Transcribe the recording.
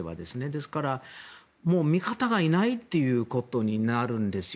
ですから、味方がいないということになるんですよ。